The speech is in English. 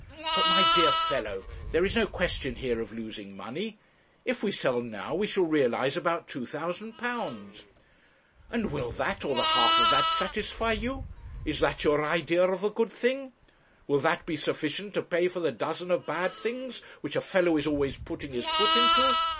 'But, my dear fellow, there is no question here of losing money. If we sell now we shall realize about £2,000.' 'And will that, or the half of that, satisfy you? Is that your idea of a good thing? Will that be sufficient to pay for the dozen of bad things which a fellow is always putting his foot into?